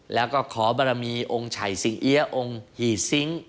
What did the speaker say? แล้วก็ขอบารมีองค์ฉ่ายซิงอี้องค์หี่ซิงค์